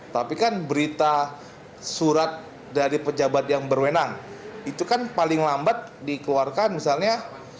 tapi kan berita surat dari pejabat yang berwenang itu kan paling lambat dikeluarkan misalnya